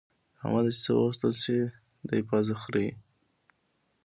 له احمده چې څه وغوښتل شي؛ دی پزه خرېي.